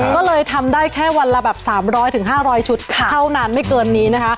ก็เลยทำได้แค่วันละแบบ๓๐๐๕๐๐ชุดเท่านั้นไม่เกินนี้นะคะ